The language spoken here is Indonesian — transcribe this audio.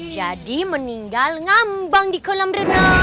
jadi meninggal ngambang di kolam berenang